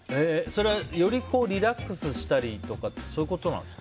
それは、よりリラックスしたりとかってこと？